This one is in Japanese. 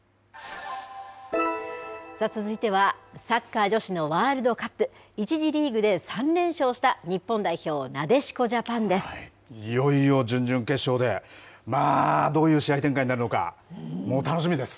さあ、続いてはサッカー女子のワールドカップ、１次リーグで３連勝した日本代表、いよいよ準々決勝で、まあ、どういう試合展開になるのか、もう楽しみです。